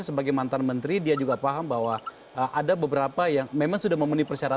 saya wakil menteri saya membantu pak menteri